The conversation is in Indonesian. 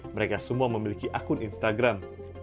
mereka semua memiliki akun instagram